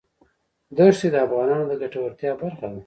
دښتې د افغانانو د ګټورتیا برخه ده.